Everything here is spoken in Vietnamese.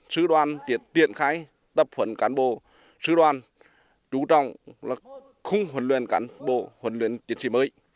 sư đoàn tiện khai tập huấn cán bộ sư đoàn trú trọng khung huấn luyện cán bộ huấn luyện chiến sĩ mới